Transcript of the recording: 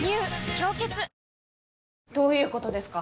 「氷結」どういうことですか？